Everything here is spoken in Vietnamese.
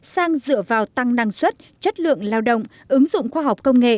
sang dựa vào tăng năng suất chất lượng lao động ứng dụng khoa học công nghệ